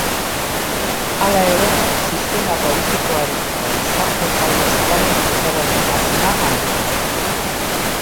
Hala ere, sistema politikoarekiko gizarte-talde zabalen deserosotasuna handitu zen.